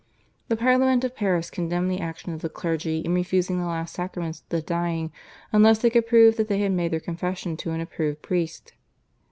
The Parliament of Paris condemned the action of the clergy in refusing the last sacraments to the dying unless they could prove they had made their confession to an approved priest.